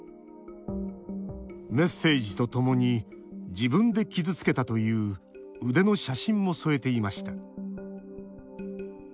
メッセージとともに自分で傷つけたという腕の写真も添えていました。